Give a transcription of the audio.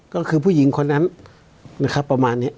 ก็คือผู้หญิงคนนั้นนะครับประมาณนี้